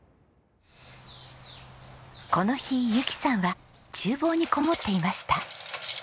この日ゆきさんは厨房にこもっていました。